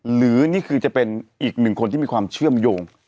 หรือนี่คือจะเป็นอีกหนึ่งคนที่มีความเชื่อมโยง